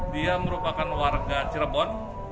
dia merupakan warga cirebon